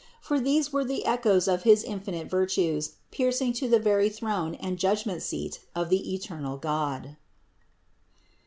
For these were the echoes of his infinite virtues piercing to the very throne and judgment seat of the eternal God.